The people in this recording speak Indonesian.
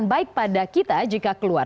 baik pada kita jika keluar